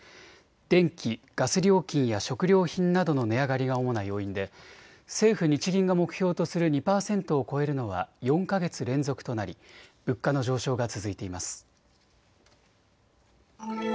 電気・ガス料金や食料品などの値上がりが主な要因で政府・日銀が目標とする２％を超えるのは４か月連続となり、物価の上昇が続いています。